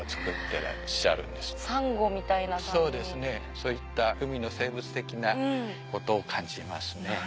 そういった海の生物的なことを感じますね。